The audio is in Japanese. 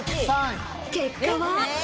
結果は？